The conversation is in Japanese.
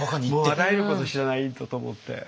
もうあらゆること知らないとと思って。